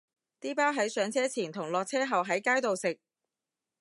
啲包係上車前同落車後喺街度食